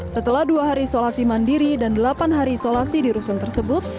setelah dua hari isolasi mandiri dan delapan hari isolasi di rusun tersebut